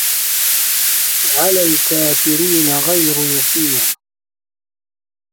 عَلَى الكافِرينَ غَيرُ يَسيرٍ